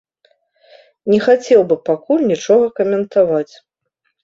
Не хацеў бы пакуль нічога каментаваць.